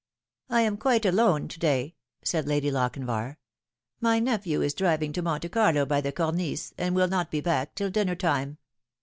" I am quite alone to day," said Lady Lochinvar. " My nephew is driving to Monte Carlo by the Cornice, and will not be back till dinner time."